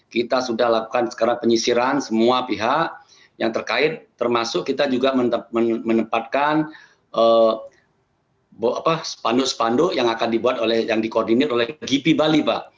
kita sudah lakukan sekarang penyisiran semua pihak yang terkait termasuk kita juga menempatkan spanduk spanduk yang akan dibuat oleh yang dikoordinir oleh gipi bali